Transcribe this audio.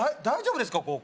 大丈夫ですか？